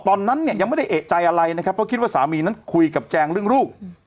ตอนนั้นเนี่ยยังไม่ได้เอกใจอะไรนะครับเพราะคิดว่าสามีนั้นคุยกับแจงเรื่องลูก